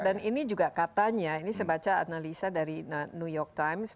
dan ini juga katanya ini saya baca analisa dari new york times